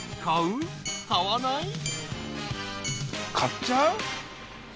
買わない？］